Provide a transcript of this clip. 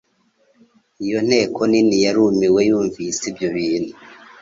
Iyo nteko nini yarumiwe yumvise ibyo bintu,